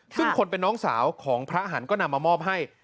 ซึ่งคนเป็นน้องสาวของพระหันต์ก็นำมามอบให้